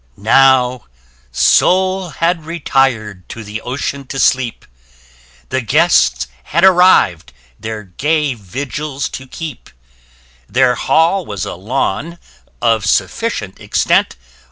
Now Sol had retir'd to the ocean to sleep: The Guests had arriv'd their gay vigils to keep Their hall was a lawn, of sufficient extent.